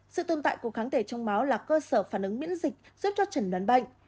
sự tồn tại của kháng thể trong máu là cơ sở phản ứng miễn dịch giúp cho trần đoán bệnh